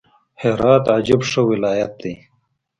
هرات عجبه ښه ولايت دئ!